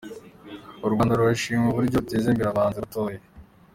U Rwanda rurashimwa uburyo ruteza imbere abahinzi batoya